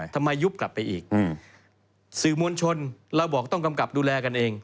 ยุบกลับไปอีกสื่อมวลชนเราบอกต้องกำกับดูแลกันเอง